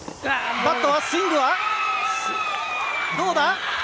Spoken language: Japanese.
バットスイングはどうだ？